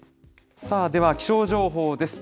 さあ、では気象情報です。